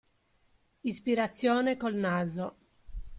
Ispirazione col naso.